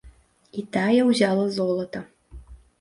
І тая ўзяла золата.